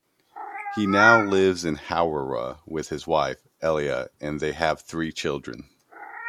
He now lives in Hawera with his wife, Ella and they have three children.